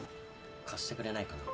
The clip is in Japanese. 貸してくれないかな？